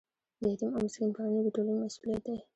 د یتیم او مسکین پالنه د ټولنې مسؤلیت دی.